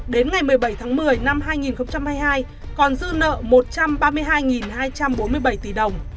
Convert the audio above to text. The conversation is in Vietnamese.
đến ngày một mươi bảy tháng một mươi năm hai nghìn hai mươi hai còn dư nợ một trăm ba mươi hai hai trăm bốn mươi bảy tỷ đồng